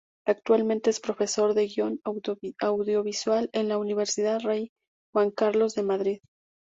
Actualmente es profesor de Guión Audiovisual en la Universidad Rey Juan Carlos de Madrid.